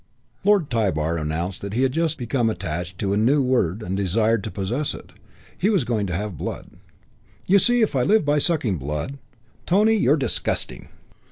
Lord Tybar announced that he had just become attached to a new word and desired to possess it. He was going to have blood. "You see, if I live by sucking blood " "Tony, you're disgusting!"